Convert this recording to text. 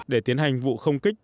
để tiến hành vụ không kích